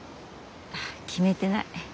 決めてない。